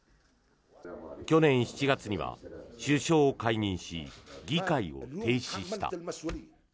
去年７月には首相を解任し、議会を停止した。